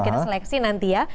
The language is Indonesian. kita seleksi nanti ya